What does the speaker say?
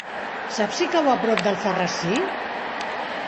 Saps si cau a prop d'Alfarrasí?